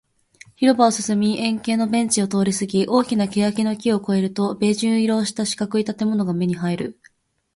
広場を進み、円形のベンチを通りすぎ、大きな欅の木を越えると、ベージュ色をした四角い建物が目に入る